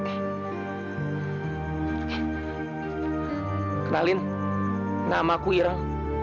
kenalin nama aku irel